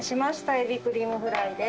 エビクリームフライです。